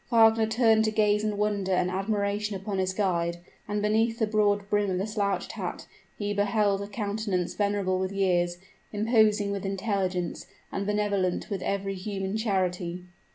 Wagner turned to gaze in wonder and admiration upon his guide: and beneath the broad brim of the slouched hat, he beheld a countenance venerable with years, imposing with intelligence, and benevolent with every human charity.